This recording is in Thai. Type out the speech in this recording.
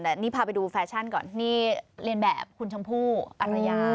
แต่นี่พาไปดูแฟชั่นก่อนนี่เรียนแบบคุณชมพู่อรยา